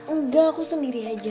enggak aku sendiri aja